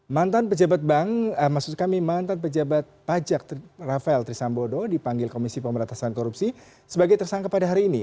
mantan pejabat bank maksud kami mantan pejabat pajak rafael trisambodo dipanggil komisi pemberatasan korupsi sebagai tersangka pada hari ini